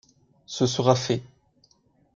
Ce sera fait.